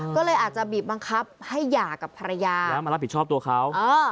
ก็เลยอาจจะบีบบังคับให้หย่ากับภรรยาแล้วมารับผิดชอบตัวเขา